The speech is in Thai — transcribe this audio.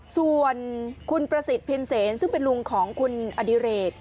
ส่วนคุณประสิทธิพิมเซนซึ่งเป็นลุงของคุณอดิเรก